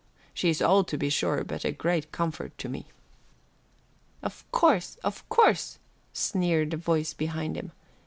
She's old to be sure, but a great comfort to me." "Of course, of course," sneered a voice behind him.